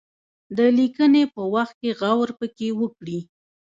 د لیکني په وخت کې غور پکې وکړي.